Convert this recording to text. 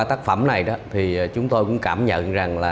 tác phẩm này chúng tôi cũng cảm nhận